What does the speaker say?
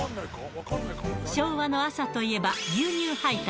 昭和の朝といえば、牛乳配達。